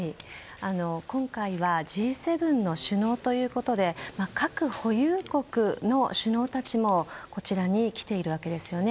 今回はＧ７の首脳ということで核保有国の首脳たちもこちらに来ているわけですよね。